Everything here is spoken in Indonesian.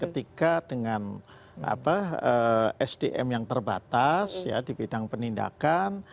ketika dengan sdm yang terbatas di bidang penindakan